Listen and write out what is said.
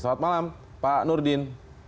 selamat malam pak nurdin